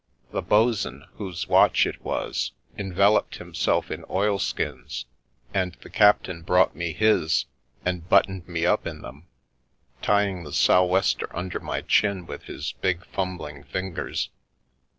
The bo'sun, whose watch it was, enveloped himself in oil skins, and the captain brought me his and buttoned me up in them, tying the sou' wester under my chin with his big, fumbling fingers.